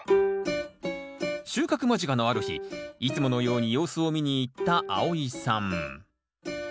収穫間近のある日いつものように様子を見に行ったあおいさん。